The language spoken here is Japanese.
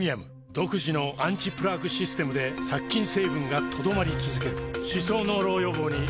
独自のアンチプラークシステムで殺菌成分が留まり続ける歯槽膿漏予防にプレミアム